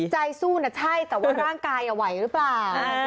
ใจสู้นะใช่แต่ว่าร่างกายไหวหรือเปล่า